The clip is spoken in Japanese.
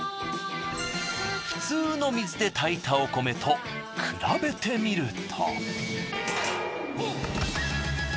普通の水で炊いたお米と比べてみると。